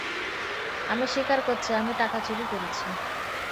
আমি স্বীকার করছি আমি টাকা চুরি করেছি।